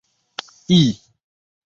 义坛县是越南乂安省下辖的一个县。